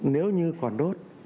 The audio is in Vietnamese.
nếu như còn đốt